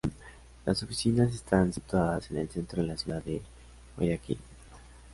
Las oficinas están situadas en el centro de la ciudad de Guayaquil.